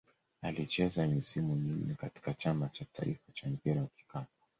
Alicheza misimu minne katika Chama cha taifa cha mpira wa kikapu.